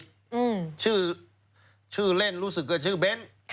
อืมชื่อชื่อเล่นรู้สึกเกิดชื่อเบนต์ค่ะ